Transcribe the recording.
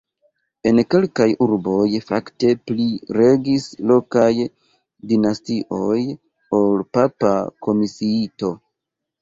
En kelkaj urboj fakte pli regis lokaj dinastioj ol papa komisiito.